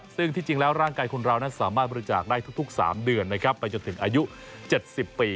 ซึ่งที่จริงแล้วร่างกายคนเรานั้นสามารถบริจาคได้ทุก๓เดือนไปจนถึงอายุ๗๐ปี